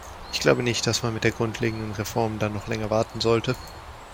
Ich glaube nicht, dass man mit der grundlegenden Reform dann noch länger warten sollte.